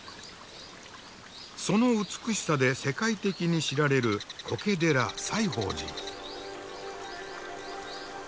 その美しさで世界的に知られる苔寺西芳寺。